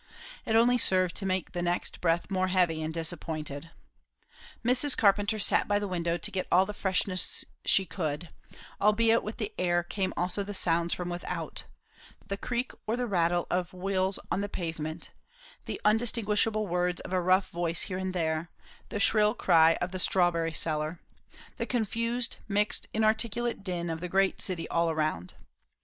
It only served to make the next breath more heavy and disappointing. Mrs. Carpenter sat by the window to get all the freshness she could; albeit with the air came also the sounds from without; the creak or the rattle of wheels on the pavement, the undistinguishable words of a rough voice here and there, the shrill cry of the strawberry seller, the confused, mixed, inarticulate din of the great city all around.